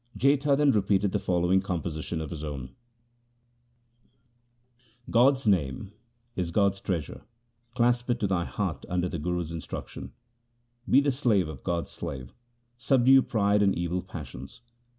Jetha then repeated the following composition of his own :— God's name is God's treasure ; clasp it to thy heart under the Guru's instruction. Be the slave of God's slave ; subdue pride and evil passions.